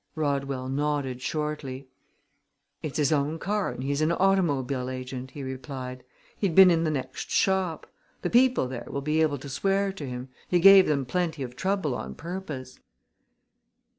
Rodwell nodded shortly. "It's his own car and he's an automobile agent," he replied. "He'd been in the next shop. The people there will be able to swear to him he gave them plenty of trouble on purpose."